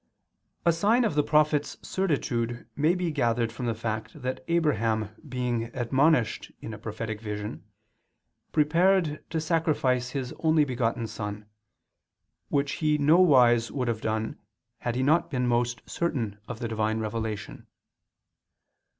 A sign of the prophet's certitude may be gathered from the fact that Abraham being admonished in a prophetic vision, prepared to sacrifice his only begotten son, which he nowise would have done had he not been most certain of the Divine revelation.